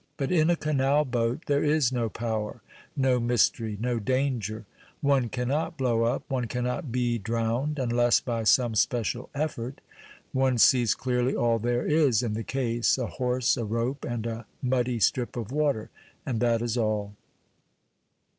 But in a canal boat there is no power, no mystery, no danger; one cannot blow up, one cannot be drowned, unless by some special effort: one sees clearly all there is in the case a horse, a rope, and a muddy strip of water and that is all.